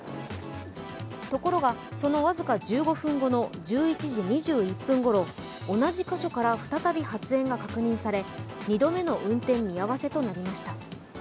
ところが、その僅か１５分後の１１時２１分ごろ、同じ箇所から再び発煙が確認され２度目の運転見合わせとなりました。